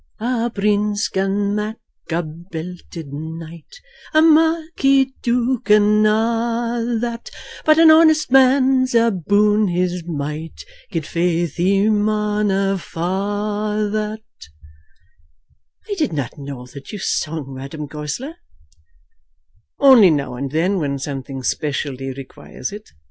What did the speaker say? "A prince can mak' a belted knight, A marquis, duke, and a' that; But an honest man's aboon his might, Guid faith he mauna fa' that." "I did not know that you sung, Madame Goesler." "Only now and then when something specially requires it.